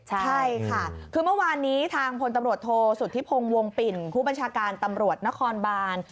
ใช่ค่ะคือเมื่อวานนี้ทางพลตำรวจโทษสุธิพงศ์วงปิ่นผู้บัญชาการตำรวจนครบาน